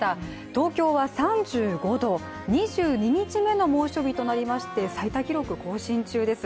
東京は３５度、２２日目の猛暑日となりまして最多記録を更新中です。